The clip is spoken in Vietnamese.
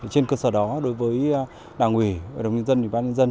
trên cơ sở đó đối với đảng ủy đồng nhân dân địa bàn nhân dân